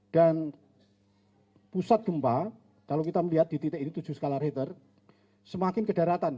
dan pusat gempa kalau kita melihat di titik ini tujuh skalariter semakin kedaratan